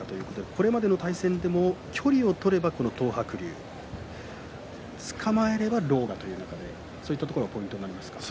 これまでの対戦でも距離を取れば東白龍、つかまえれば狼雅どういったところがポイントになりますか。